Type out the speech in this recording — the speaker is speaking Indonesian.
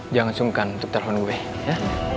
jangan sungkan untuk telepon way ya